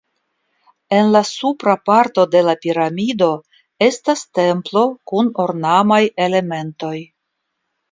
En la supra parto de la piramido estas templo kun ornamaj elementoj.